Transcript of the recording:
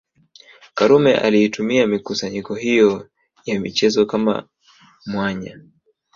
Karume alitumia mikusanyiko hiyo ya michezo kama mwanya